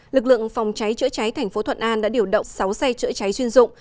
lực lượng phòng cháy chữa cháy thành phố thuận an đã điều động sáu xe chữa cháy chuyên dụng